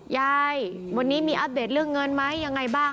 ยายวันนี้มีอัปเดตเรื่องเงินไหมยังไงบ้าง